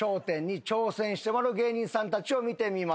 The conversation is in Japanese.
１０に挑戦してもらう芸人さんたちを見てみましょう。